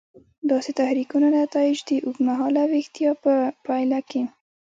داسې تحریکونو نتایج د اوږد مهاله ویښتیا په پایله کې.